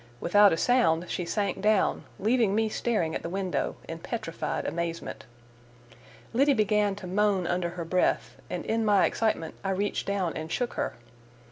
Without a sound she sank down, leaving me staring at the window in petrified amazement. Liddy began to moan under her breath, and in my excitement I reached down and shook her.